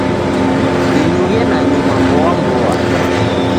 Ninughe nanyuma mboa mboa